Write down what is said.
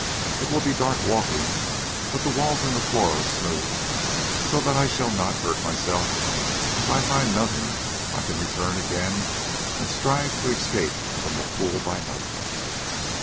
It will be dark walking, but the walls and the floor are smooth, so that I shall not hurt myself, and if I find nothing I can return again and strive to escape from the pool by night."